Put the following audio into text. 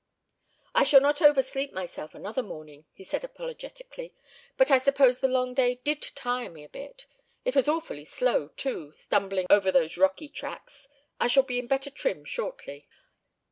"I shall not over sleep myself another morning," he said, apologetically, "but I suppose the long day did tire me a bit. It was awfully slow too, stumbling over those rocky tracks. I shall be in better trim shortly."